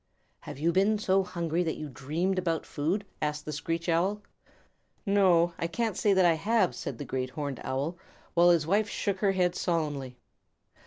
"Have you been so hungry that you dreamed about food?" asked the Screech Owl. "N no, I can't say that I have," said the Great Horned Owl, while his wife shook her head solemnly.